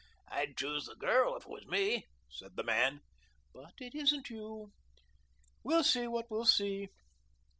"I'd choose the girl if it were me," said the man. "But it isn't you. We'll see what we'll see."